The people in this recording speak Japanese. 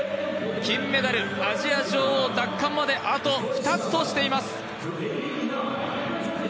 金メダル、アジア女王奪還まであと２つとしています。